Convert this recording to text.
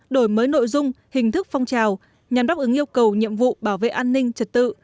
đổi mới nội dung hình thức phong trào nhằm đáp ứng yêu cầu nhiệm vụ bảo vệ an ninh trật tự